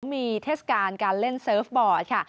มีเทศกาลการเล่นเซิร์ฟบอร์ดค่ะ